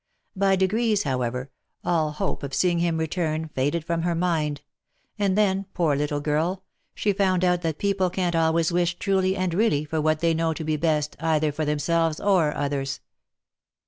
By de grees, however, all hope of seeing him return, faded from her mind, and then, poor little girl, she found out that people can't always wish truly and really for what they know to be best either for themselves or others.